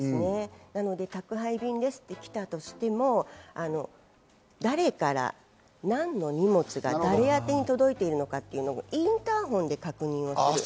宅配便ですと来たとしても、誰から何の荷物が、誰宛に届いているのかというのがインターホンで確認をする。